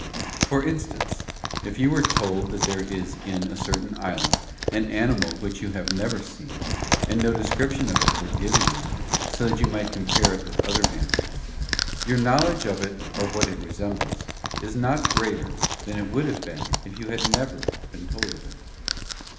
For instance, if you were told that there is in a certain island an animal which you have never seen, and no description of it were given you, so that you might compare it with other animals, your knowledge of it, or what it resembles, is not greater than it would have been if you had never been told of it.